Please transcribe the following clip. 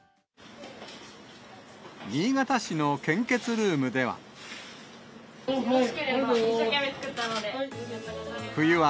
新潟市の献血ルームでは。